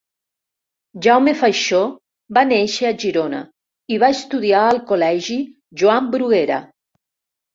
Jaume Faixó va néixer a Girona i va estudiar al col·legi Joan Bruguera.